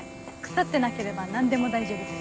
腐ってなければ何でも大丈夫です。